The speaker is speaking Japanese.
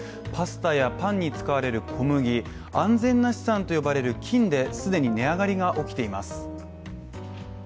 パスタやパンに使われる小麦安全な資産と呼ばれる金で既に値上がりが起きています。